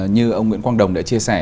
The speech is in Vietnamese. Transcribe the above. như ông nguyễn quang đồng đã chia sẻ